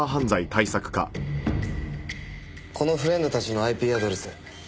このフレンドたちのＩＰアドレス。